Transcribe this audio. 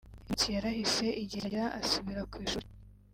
Iminsi yarahise igihe kiragera asubira ku ishuli